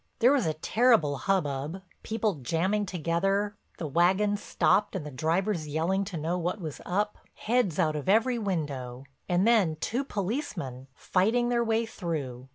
There was a terrible hubbub, people jamming together, the wagons stopped and the drivers yelling to know what was up, heads out of every window, and then two policemen, fighting their way through.